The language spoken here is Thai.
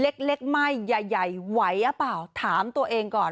เล็กเล็กไหม้ใหญ่ไหวหรือเปล่าถามตัวเองก่อน